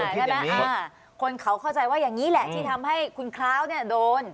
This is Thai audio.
ใช่ไหมคนเขาเข้าใจว่าอย่างนี้แหละที่ทำให้คุณคร้าวเนี่ยโดน